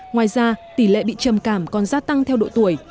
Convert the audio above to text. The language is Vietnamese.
ngoài ra tỷ lệ bị trầm cảm còn gia tăng theo độ tuổi